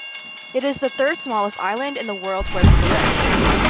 It is the third smallest Island in the world where people live.